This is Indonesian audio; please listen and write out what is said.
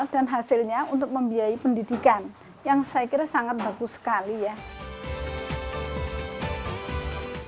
hasilnya untuk membiayai pendidikan yang saya kira sangat bagus sekali ya